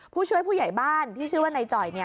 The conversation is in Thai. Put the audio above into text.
ผู้ช่วยผู้ใหญ่บ้านที่ชื่อว่านายจ่อย